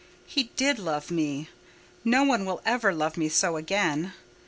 He did love me—no one will ever love me so again.